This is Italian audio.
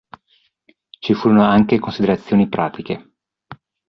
Ci furono anche considerazioni pratiche.